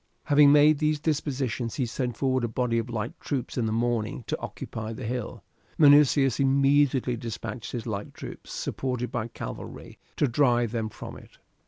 Having made these dispositions he sent forward a body of light troops in the morning to occupy the hill. Minucius immediately despatched his light troops, supported by cavalry, to drive them from it.